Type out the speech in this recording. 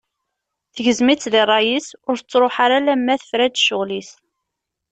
Tegzem-itt di rray-is, ur tettruḥu ara alamma tefra-d ccɣel-is.